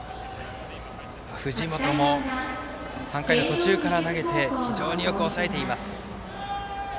藤本も３回の途中から投げて非常によく抑えています。